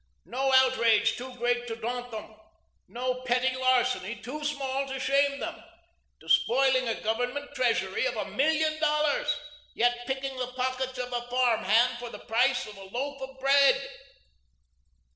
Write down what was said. No outrage too great to daunt them, no petty larceny too small to shame them; despoiling a government treasury of a million dollars, yet picking the pockets of a farm hand of the price of a loaf of bread.